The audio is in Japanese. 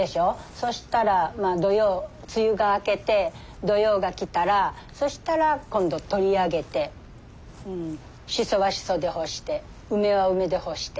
そしたら土用梅雨が明けて土用が来たらそしたら今度取り上げてしそはしそで干して梅は梅で干して。